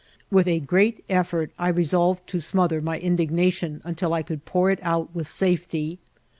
With a great effort, I resolved to smother my indignation un til I could poor it out with safety.